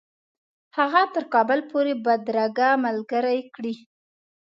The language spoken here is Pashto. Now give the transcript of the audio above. هغه تر کابل پوري بدرګه ملګرې کړي.